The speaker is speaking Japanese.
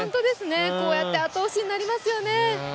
こうやって後押しになりますよね。